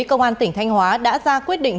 công an tỉnh thanh hóa đã ra quyết định